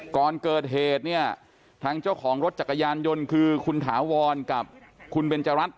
ก่อนเกิดเหตุเนี่ยทางเจ้าของรถจักรยานยนต์คือคุณถาวรกับคุณเบนจรัส